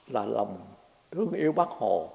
là lòng thương yêu bác hồ